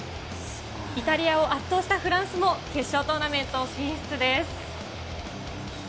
イタリアを圧倒したフランスも、決勝トーナメント進出です。